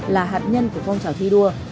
là hạt nhân của phong trào thi đua